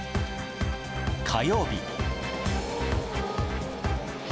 火曜日。